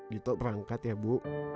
dito berangkat ya bu